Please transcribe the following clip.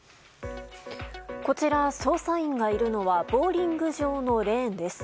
こちら捜査員がいるのはボウリング場のレーンです。